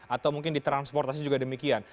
atau mungkin ditransportasi juga demikian